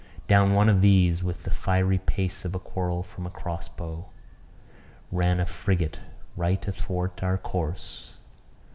Down one of these, with the fiery pace of a quarrel from a cross bow, ran a frigate right athwart our course.